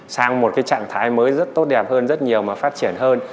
sang một cái trạng thái mới rất tốt đẹp hơn rất nhiều mà phát triển hơn